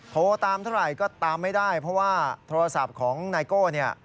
โทรตามเท่าไหร่ก็ตามไม่ได้เพราะว่าโทรศัพท์ของนายโก้เนี่ย